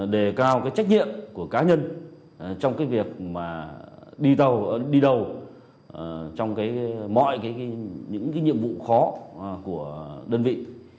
để cao cái trách nhiệm của cá nhân trong cái việc mà đi đầu trong cái mọi cái những cái nhiệm vụ khó của đơn vị